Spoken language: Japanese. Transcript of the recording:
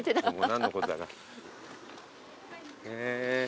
何のことだか。